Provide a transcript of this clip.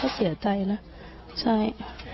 เขาก็เสียใจเนาะใช่